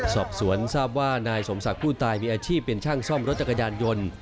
สอบสวนทราบว่านายสมศักดิ์ผู้ตายมีอาชีพเป็นช่างซ่อมรถจักรยานยนต์